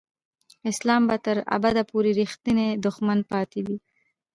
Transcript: اسلام به تر ابده پورې رښتینی دښمن پاتې وي.